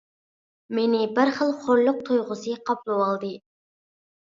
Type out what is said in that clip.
مېنى بىر خىل خورلۇق تۇيغۇسى قاپلىۋالدى.